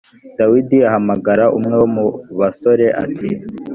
dawidi ahamagara umwe wo mu basore ati